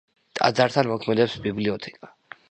ტაძართან მოქმედებს ბიბლიოთეკა.